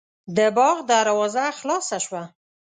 د باغ دروازه خلاصه شوه.